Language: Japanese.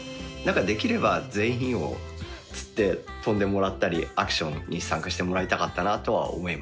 できれば全員をつって跳んでもらったりアクションに参加してもらいたかったなとは思いました。